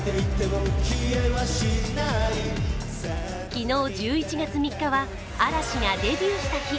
昨日、１１月３日は嵐がデビューした日。